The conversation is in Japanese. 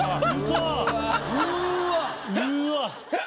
うわっ。